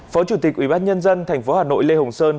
phó chủ tịch ubnd tp hà nội lê hồng sơn